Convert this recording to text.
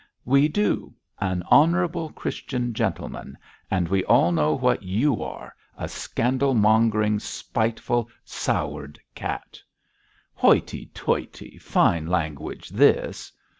'We do an honourable Christian gentleman; and we all know what you are a scandalmongering, spiteful, soured cat.' 'Hoity toity! fine language this.'